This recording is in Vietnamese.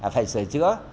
phải sửa chữa